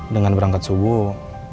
dengan berangkat subuh